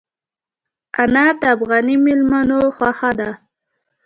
انار د افغاني مېلمنو خوښه ده.